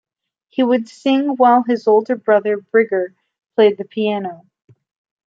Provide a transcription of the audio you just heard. He would sing while his older brother Birger played the piano.